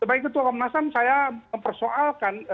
sebagai ketua komnasam saya mempersoalkan